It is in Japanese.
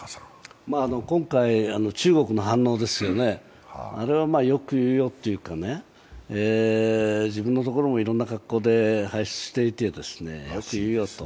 今回中国の反応ですよね、あれはよく言うよっていうか、自分のところもいろんな格好で排出していてよく言うよと。